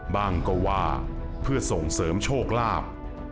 บ้างก็ว่าเพื่อส่งเสริมโชคลาภ